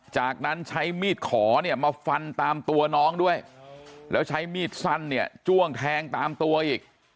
จากนั้นใช้มีดขอเนี่ยมาฟันตามตัวน้องด้วยแล้วใช้มีดสั้นเนี่ยจ้วงแทงตามตัวอีก